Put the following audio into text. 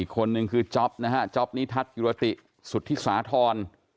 คนหนึ่งคือจ๊อปนะฮะจ๊อปนิทัศน์กิรติสุธิสาธร